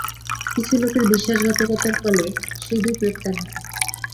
কিছু লোকের বিশ্বাসঘাতকতার ফলে সিধু গ্রেপ্তার হন।